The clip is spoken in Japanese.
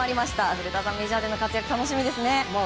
古田さん、メジャーでの活躍が楽しみですね。